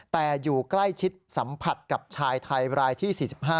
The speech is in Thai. แต่อยู่ใกล้ชิดสัมผัสกับชายไทยรายที่๔๕